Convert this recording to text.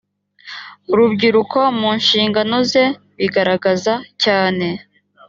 urubyiruko mu nshingano ze bigaragaza cyane